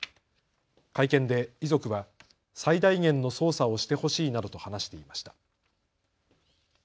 会見で遺族は最大限の捜査をしてほしいなどと話していました。